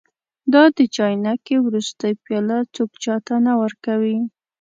دا د چاینکې وروستۍ پیاله څوک چا ته نه ورکوي.